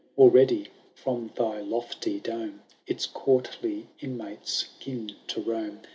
Already from thy lofty dome Its courtly inmates *gin to roam.